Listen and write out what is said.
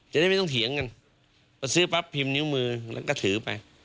จะได้ไม่ต้องเถียงกันพอซื้อปั๊บพิมพ์นิ้วมือแล้วก็ถือไป